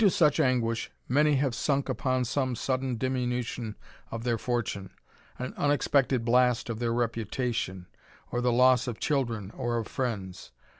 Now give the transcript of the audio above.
anguish many have sunk upon some sudden of their fortune, an unexpected blast of their ir the loss of children or of friends.